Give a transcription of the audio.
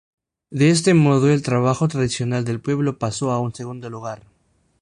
De este modo, el trabajo tradicional del pueblo pasó a un segundo lugar.